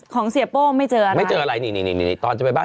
ของเสียโป้ไม่เจออะไรไม่เจออะไรนี่นี่ตอนจะไปบ้าน